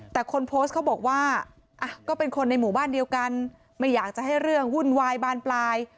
แต่คนโพสต์เขาบอกว่าก็เป็นคนในหมู่บ้านเดียวกันไม่อยากจะให้เรื่องวุ่นวายบานปลาย